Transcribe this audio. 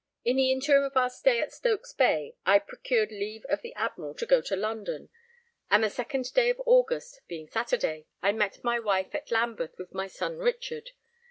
In the interim of our stay in Stokes Bay I procured leave of the Admiral to go to London, and the 2nd day of August, being Saturday, I met my wife at Lambeth with my son Richard.